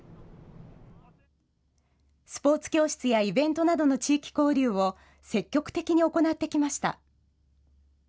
スポーツ教室やイベントなどの地域交流を、積極的に行ってきました。